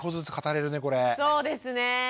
そうですね。